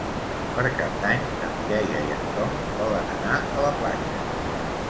Per Cap d'Any na Mireia i en Tom volen anar a la platja.